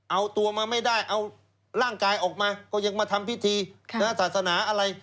เอาตัวมาไม่ได้เอาร่างกายออกมาก็ยังมาทำพิธีศาสนาอะไร